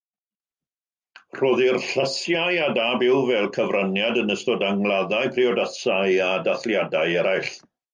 Rhoddir llysiau a da byw fel cyfraniad yn ystod angladdau, priodasau a dathliadau eraill.